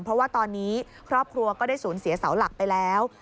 เพราะว่าตอนนี้ครอบครัวก็ได้สูญเสียเสาหลักไปแล้ว